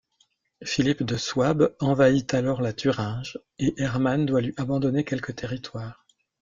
Philippe de Souabe envahit alors la Thuringe et Herman doit lui abandonner quelques territoires.